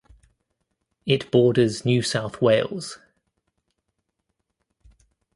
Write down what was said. It borders New South Wales.